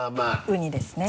ウニですね。